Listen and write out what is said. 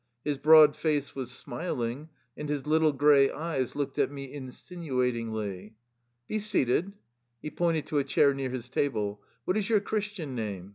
His broad face was smiling, and his little gray eyes looked at me insinuatingly. ^^ Be seated." He pointed to a chair near his table. "What is your Christian name?